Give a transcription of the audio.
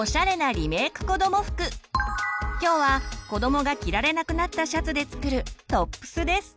今日はこどもが着られなくなったシャツで作る「トップス」です。